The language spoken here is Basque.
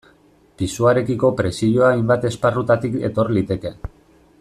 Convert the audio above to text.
Pisuarekiko presioa hainbat esparrutatik etor liteke.